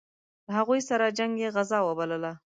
له هغوی سره جنګ یې غزا وبلله.